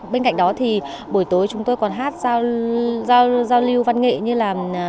bên cạnh đó thì buổi tối chúng tôi còn hát giao lưu văn nghệ như là